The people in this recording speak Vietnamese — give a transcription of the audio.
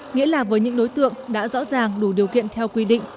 nghĩa là với những đối tượng đã rõ ràng đủ điều kiện theo quy định